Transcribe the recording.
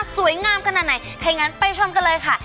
สวยงามขนาดไหนให้งั้นไปชมกันเลยค่ะ